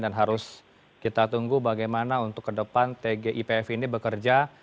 dan harus kita tunggu bagaimana untuk ke depan tgipf ini bekerja